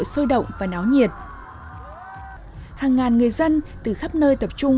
trong lễ hội sôi động và náo nhiệt hàng ngàn người dân từ khắp nơi tập trung